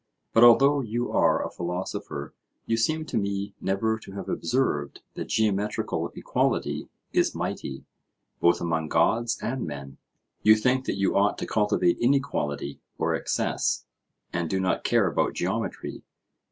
But although you are a philosopher you seem to me never to have observed that geometrical equality is mighty, both among gods and men; you think that you ought to cultivate inequality or excess, and do not care about geometry.